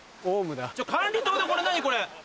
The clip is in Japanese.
管理棟で何これ。